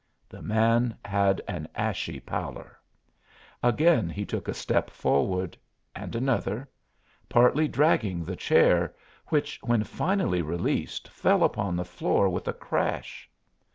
The man had an ashy pallor. Again he took a step forward, and another, partly dragging the chair, which when finally released fell upon the floor with a crash.